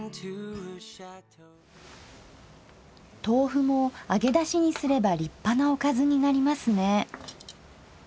豆腐も揚げだしにすれば立派なおかずになりますね。